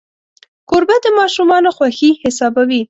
کوربه د ماشومانو خوښي حسابوي.